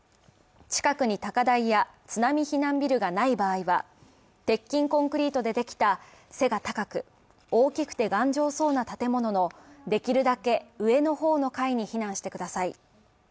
近くに高台や津波避難ビルがない場合は、鉄筋コンクリートでできた背が高く大きくて頑丈そうな建物のできるだけ上の方の階に避難してください